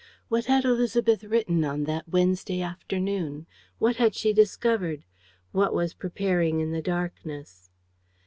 What had Élisabeth written on that Wednesday afternoon? What had she discovered? What was preparing in the darkness?